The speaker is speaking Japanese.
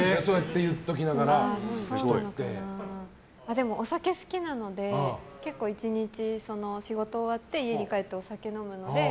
でもお酒が好きなので結構、１日仕事終わって家に帰ってお酒を飲むので。